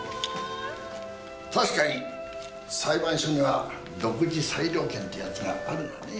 確かに裁判所には独自裁量権ってやつがあるがね。